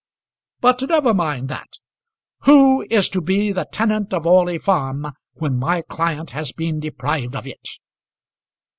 But never mind that. Who is to be the tenant of Orley Farm when my client has been deprived of it?"